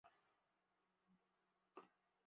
inakuwa mali ya mwenye shamba.